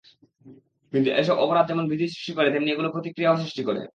কিন্তু এসব অপরাধ যেমন ভীতি সৃষ্টি করে, তেমনি এগুলো প্রতিক্রিয়াও সৃষ্টি করে।